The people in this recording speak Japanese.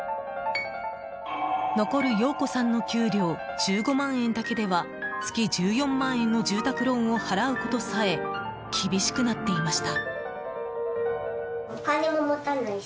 残る洋子さんの給料１５万円だけでは月１４万円の住宅ローンを払うことさえ厳しくなっていました。